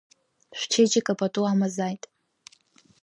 Шәчеиџьыка пату амазааит.